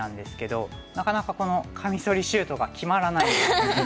なかなかカミソリシュートが決まらないんですよね。